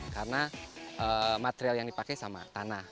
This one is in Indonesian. karena material yang dipakai sama tanah